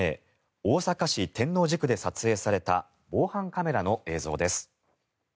大阪市天王寺区で撮影された防犯カメラの映像です。